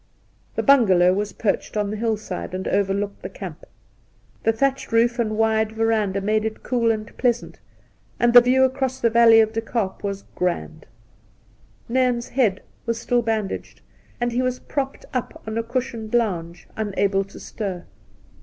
The Bungalow was perched on the hillside, and overlooked the camp. The thatched roof and wide veranda made it cool and pleasant, and the view across the great vaUey of De Kaap was grand. Nairn's head was still bandaged, and he was propped up on a cushioned lounge, unable to stir.